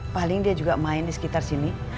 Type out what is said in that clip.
paling dia juga main di sekitar sini